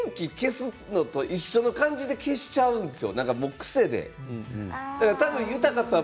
電気消すのと一緒の感じで消しちゃうんですよ